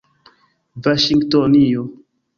vaŝingtonio